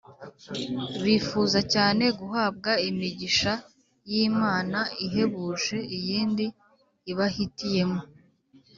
. Bifuza cyane guhabwa imigisha y imana ihebuje iyindi ibahitiyemo.